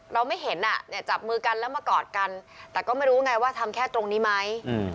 ไม่เห็นอ่ะเนี่ยจับมือกันแล้วมากอดกันแต่ก็ไม่รู้ไงว่าทำแค่ตรงนี้ไหม